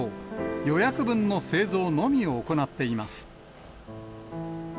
予約分の製造のみ行っています。